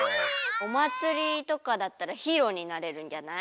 おまつりとかだったらヒーローになれるんじゃない？